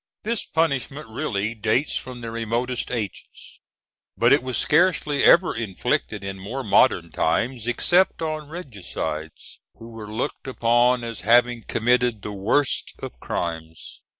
This punishment really dates from the remotest ages, but it was scarcely ever inflicted in more modern times, except on regicides, who were looked upon as having committed the worst of crimes.